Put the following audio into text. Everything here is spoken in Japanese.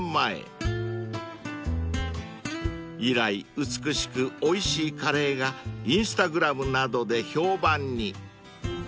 ［以来美しくおいしいカレーがＩｎｓｔａｇｒａｍなどで評判に］